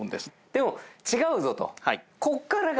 でも違うぞと。